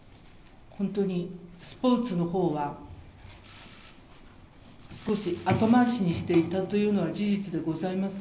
本当に、スポーツのほうは、少し後回しにしていたというのは事実でございます。